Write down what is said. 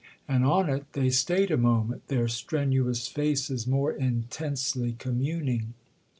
And on it they stayed a moment, their strenuous faces more intensely communing.